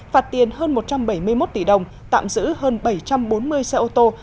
phạt tiền hơn một trăm bảy mươi một tỷ đồng tạm giữ hơn bảy trăm bốn mươi xe ô tô